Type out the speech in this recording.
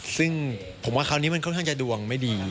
ซึ่งผมว่าคราวนี้มันค่อนข้างจะดวงไม่ดี